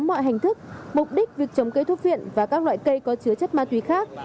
mục đích việc trồng cây thuốc viện và các loại cây có chứa chất ma túy khác